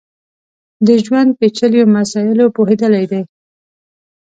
د ژوند پېچلیو مسایلو پوهېدلی دی.